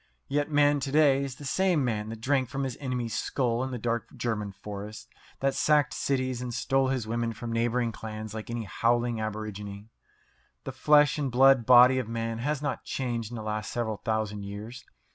Yet man to day is the same man that drank from his enemy's skull in the dark German forests, that sacked cities, and stole his women from neighbouring clans like any howling aborigine. The flesh and blood body of man has not changed in the last several thousand years.